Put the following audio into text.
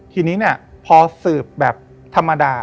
ทีนี้พอสืบแบบธรรมดา